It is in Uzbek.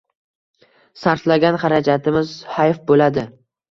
Sarflagan xarajatimiz hayf bo‘ladi